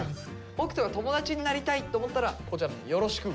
北斗が友達になりたいと思ったらこちらの「よろしく！」。